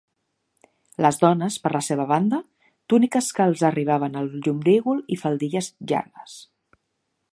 Les dones, per la seva banda, túniques que els arribaven al llombrígol i faldilles llargues.